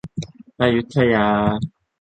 อยุธยา